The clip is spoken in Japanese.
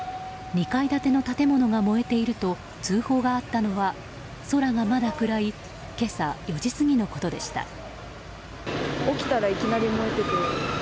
２階建ての建物が燃えていると通報があったのは空がまだ暗い今朝４時過ぎのことでした。